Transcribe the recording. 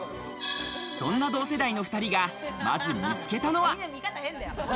そんな同世代の２人がまず見つけたのは。